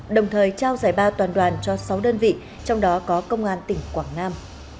đồng thời trao giải ba toàn đoàn cho sáu đơn vị trong đó có công an tỉnh quảng nam